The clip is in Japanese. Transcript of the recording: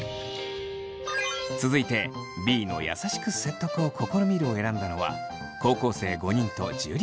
続いてＢの「優しく説得を試みる」を選んだのは高校生５人と樹。